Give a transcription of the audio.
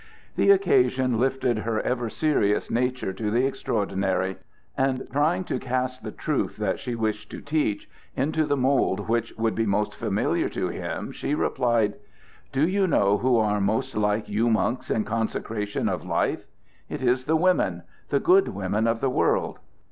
The occasion lifted her ever serious nature to the extraordinary; and trying to cast the truth that she wished to teach into the mould which would be most familiar to him, she replied: "Do you know who are most like you monks in consecration of life? It is the women the good women of the world.